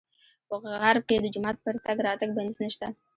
په غرب کې د جومات پر تګ راتګ بندیز نه شته.